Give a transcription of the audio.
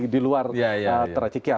di luar teracekia